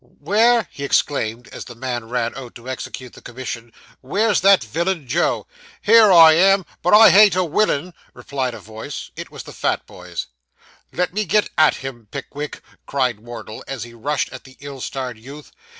Where?' he exclaimed, as the man ran out to execute the commission 'where's that villain, Joe?' 'Here I am! but I hain't a willin,' replied a voice. It was the fat boy's. 'Let me get at him, Pickwick,' cried Wardle, as he rushed at the ill starred youth.